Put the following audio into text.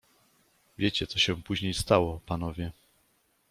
"Wiecie, co się później stało, panowie."